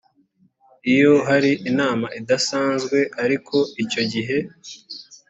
iyo hari inama idasanzwe ariko icyo gihe